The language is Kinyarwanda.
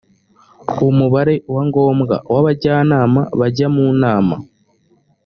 umubare wa ngombwa w’abajyanama bajya mu nama